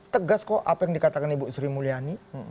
tegas kok apa yang dikatakan ibu sri mulyani